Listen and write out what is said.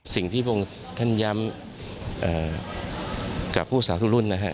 สิ่งที่พระองค์ท่านย้ำกับผู้สาธุรุ่นนะฮะ